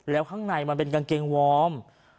แล้วข้างในมันเป็นกางเกงวอร์ม